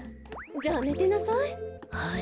じゃあねてなさい。